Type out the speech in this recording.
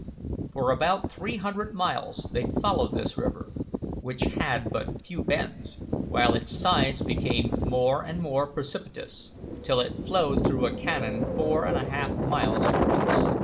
For about three hundred miles they followed this river, which had but few bends, while its sides became more and more precipitous, till it flowed through a canon four and a half miles across.